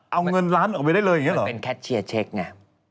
เอาเงินล้านออกไปได้เลยอย่างนี้หรอเป็นแคทเชียร์เช็คไง